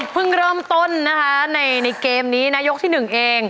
เพิ่งเริ่มต้นนะคะในเกมนี้นะยกที่๑เอง